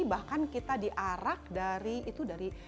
bahkan kita diarak dari itu dari